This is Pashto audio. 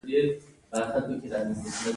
دا ځانګړي خدمتونه وړاندې کوي.